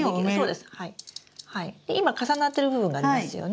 で今重なってる部分がありますよね？